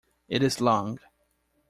It is long.